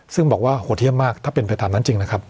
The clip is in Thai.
ซึ่งบอกว่าโหดเยี่ยมมากถ้าเป็นไปตามนั้นจริงนะครับ